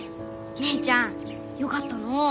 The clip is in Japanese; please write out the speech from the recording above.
姉ちゃんよかったのう。